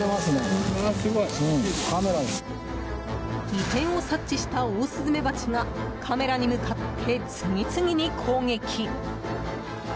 異変を察知したオオスズメバチがカメラに向かって次々に攻撃。